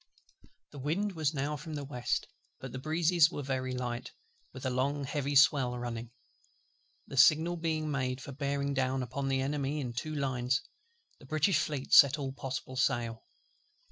The wind was now from the west; but the breezes were very light, with a long heavy swell running. The signal being made for bearing down upon the Enemy in two lines, the British Fleet set all possible sail.